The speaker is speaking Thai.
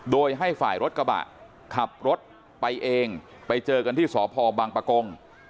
โดยให้ฝ่ายรถกระบะขับรถไปเองไปเจอกันที่สพบังปะกง